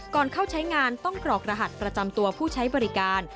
ก่อนเข้าใช้งานต้องกรกรหัสประจำตัวผู้ใช้บริการ